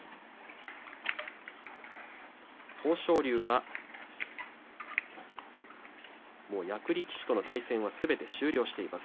豊昇龍はもう役力士との対戦はすべて終了しています。